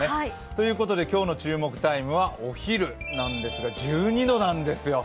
ということで今日の注目タイムはお昼なんですが、１２度なんですよ。